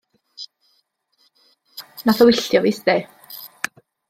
Nath o wylltio fi 'sdi.